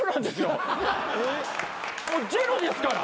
もうジェロですから。